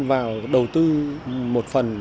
vào đầu tư một phần